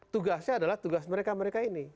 tugasnya adalah tugas mereka mereka ini